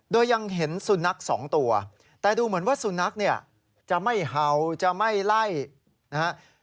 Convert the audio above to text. โดยยังเห็นสุนัขสองตัวแต่ดูเหมือนว่าสุนัขเนี่ยจะไม่เห่าจะไม่ไล่นะครับ